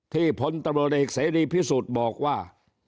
ที่พลตำรวจเอกเสรีพิสูจน์บอกว่า